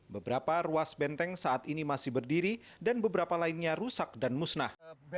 beberapa ruas benteng saat ini masih berdiri dan beberapa lainnya rusak dan musnah